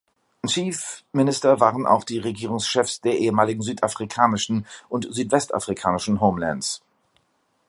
Chief Minister waren auch die Regierungschefs der ehemaligen südafrikanischen und südwestafrikanischen Homelands.